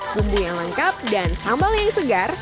bumbu yang lengkap dan sambal yang segar